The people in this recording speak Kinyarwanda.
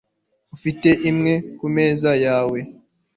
ufite imwe kumeza yawe